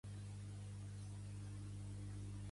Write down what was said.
Cristalls de sal formats a les fulles d'Avicennia germinans